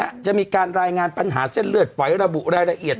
จะมีการรายงานปัญหาเส้นเลือดฝอยระบุรายละเอียด